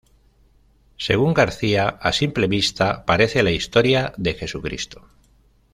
Según García, a simple vista parece la historia de Jesucristo.